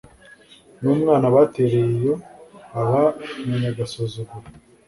n'umwana batereye iyo, aba umunyagasuzuguro